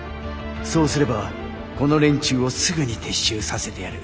そうすればこの連中をすぐに撤収させてやる。